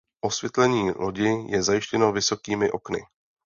Osvětlení lodi je zajištěno vysokými okny.